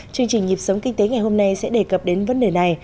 chương trình nhịp sống kinh tế ngày hôm nay sẽ đề cập đến vấn đề này